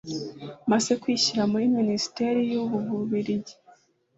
Masse kwishyikira muri minisiteri y u bubirigi